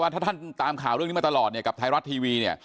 ถ้าท่านตามข่าวเรื่องนี้มาตลอดกับไทยรัฐทีวี